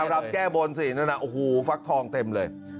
อ่ารำแก้บนสินะฟักทองเต็มเลย